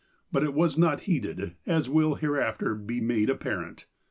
But it was not heeded, as will hereafter be made apparent.